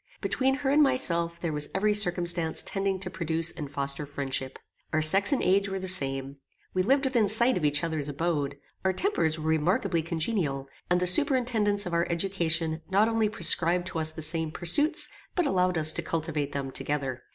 Between her and myself there was every circumstance tending to produce and foster friendship. Our sex and age were the same. We lived within sight of each other's abode. Our tempers were remarkably congenial, and the superintendants of our education not only prescribed to us the same pursuits, but allowed us to cultivate them together.